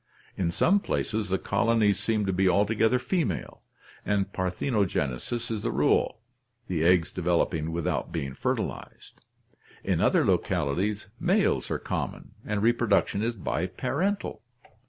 In some places the colonies seem to be altogether female, and parthenogenesis is the rule, the eggs developing without being fertilized. In other localities males are common and reproduction is biparental.